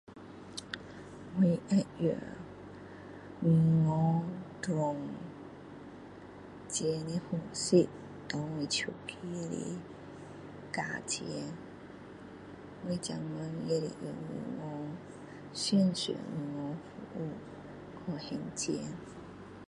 我会用。银行转钱的方式，在我手里的，加钱，我现在也是用银行线上银行服务，去还钱。